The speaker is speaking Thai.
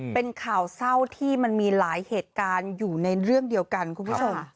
เป็นข่าวเศร้าที่มันมีหลายเหตุการณ์อยู่ในเรื่องเดียวกันคุณผู้ชม